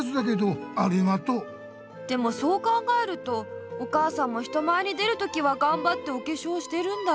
でもそう考えるとお母さんも人前に出るときはがんばっておけしょうしてるんだ。